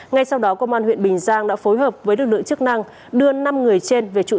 ngay sau đó công an huyện bình giang đã phối hợp với lực lượng chức năng đưa năm người trên về trụ sở